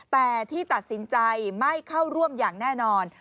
แต่ที่ตัดสินใจไม่เข้าร่วมอย่างแน่นอน